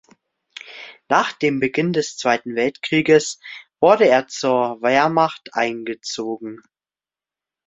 Nach dem Beginn des Zweiten Weltkriegs wurde er zur Wehrmacht eingezogen.